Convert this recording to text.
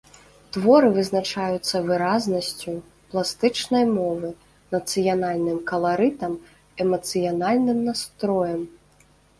Творы вызначаюцца выразнасцю пластычнай мовы, нацыянальным каларытам, эмацыянальным настроем.